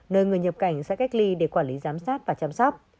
nơi người nhập cảnh sẽ cách ly để quản lý giám sát và chăm sóc